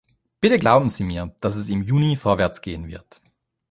Bitte glauben Sie mir, dass es im Juni vorwärts gehen wird.